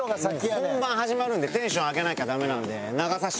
もう本番始まるんでテンション上げなきゃダメなんで流させてもらいます。